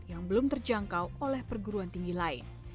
yang belum terjangkau oleh perguruan tinggi lain